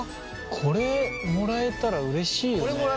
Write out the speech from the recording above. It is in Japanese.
これもらったらうれしいよ。